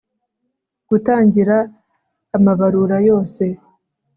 gutangira amabarura yose